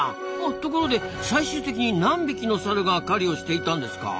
ところで最終的に何匹のサルが狩りをしていたんですか？